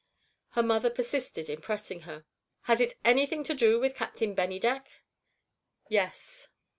Her mother persisted in pressing her. "Has it anything to do with Captain Bennydeck?" "Yes."